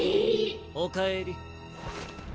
おかえり。